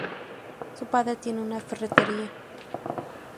Su padre tiene una ferretería.